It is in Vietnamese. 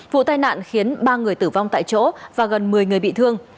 vụ tai nạn khiến ba người tử vong tại chỗ và gần một mươi người bị thương